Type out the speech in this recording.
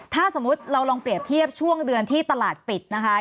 ถ้าสมมุติเราลองเปรียบเทียบช่วงเดือนที่ตลาดปิดนะคะ